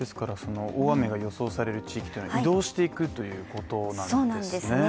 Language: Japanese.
大雨が予想される地域は移動していくっていうことなんですね。